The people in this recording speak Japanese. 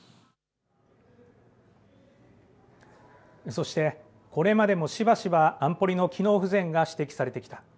そして、これまでもしばしば安保理の機能不全が指摘されてきた。